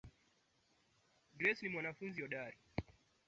Grace ni mwanafunzi hodari